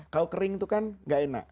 kalau kering itu kan gak enak